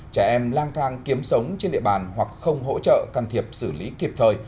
trẻ em lang thang kiếm sống trên địa bàn hoặc không hỗ trợ can thiệp xử lý kịp thời